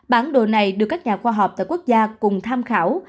bản đồ này được các nhà khoa học tại quốc gia cùng tham khảo